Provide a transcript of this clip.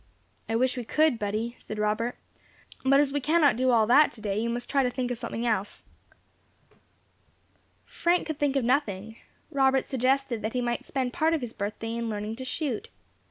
"I wish we could, Buddy," said Robert; "but as we cannot do all that today, you must try to think of something else." Frank could think of nothing. Robert suggested that he might spend part of his birthday in learning to shoot.